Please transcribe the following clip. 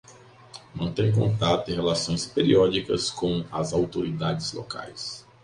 Mantém contatos e relações periódicas com as autoridades locais.